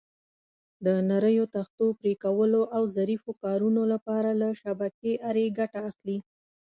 د نریو تختو پرېکولو او ظریفو کارونو لپاره له شبکې آرې ګټه اخلي.